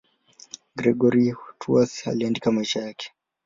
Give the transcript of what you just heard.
Gregori wa Tours aliandika maisha yake.